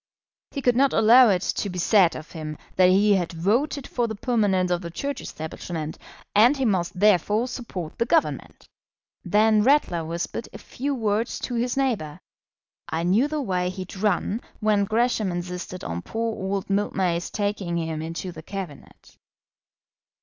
He could not allow it to be said of him that he had voted for the permanence of the Church establishment, and he must therefore support the Government. Then Ratler whispered a few words to his neighbour: "I knew the way he'd run when Gresham insisted on poor old Mildmay's taking him into the Cabinet."